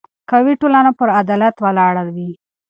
قوي ټولنه پر عدالت ولاړه وي